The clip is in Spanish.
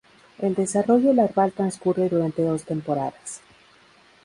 El desarrollo larval transcurre durante dos temporadas.